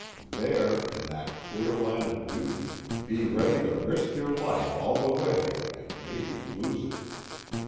There, in that clear line of duty, be ready to risk your life all the way and maybe lose it.